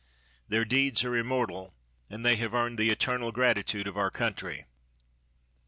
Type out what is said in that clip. Their deeds are immortal, and they have earned the eternal gratitude of our country."